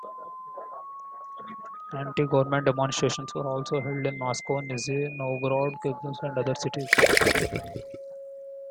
Anti-government demonstrations were also held in Moscow, Nizhny Novgorod, Krasnoyarsk, and other cities.